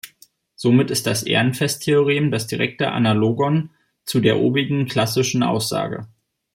Somit ist das Ehrenfest-Theorem das direkte Analogon zu der obigen klassischen Aussage.